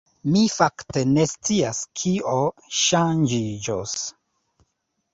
Mi fakte ne scias kio ŝanĝiĝos.